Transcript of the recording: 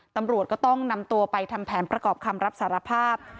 ตำรวจก็ต้องนำตัวไปทำแผนประกอบคำรับสารภาพ